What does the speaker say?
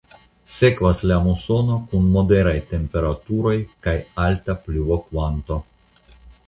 Sekvas la musono kun moderaj temperaturoj kaj alta pluvokvanto.